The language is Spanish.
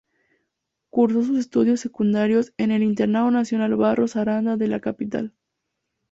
Cursó sus estudios secundarios en el Internado Nacional Barros Arana de la capital.